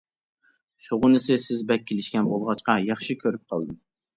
شۇغىنىسى سىز بەك كېلىشكەن بولغاچقا ياخشى كۆرۈپ قالدىم.